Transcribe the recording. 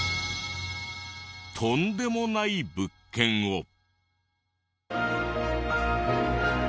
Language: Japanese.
とんでもない物件を。